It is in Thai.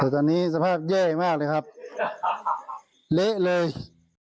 ตอนนี้สภาพแย่มากเลยครับเละเลย